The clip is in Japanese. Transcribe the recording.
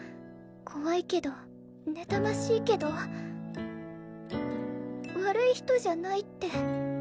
怖いけど妬ましいけど悪い人じゃないって。